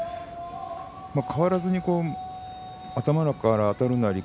変わらずに頭からあたるなり